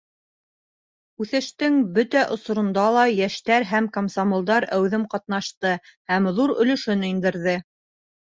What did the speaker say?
Үҫештең бөтә осоронда ла йәштәр һәм комсомолдар әүҙем ҡатнашты һәм ҙур өлөшөн индерҙе.